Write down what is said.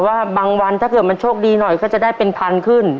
ว่าบางวันถ้าเกิดมันโชคดีหน่อยก็จะได้เป็นพันขึ้น